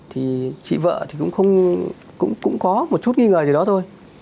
thì chị vợ thì cũng có một chút nghi ngờ gì đó thôi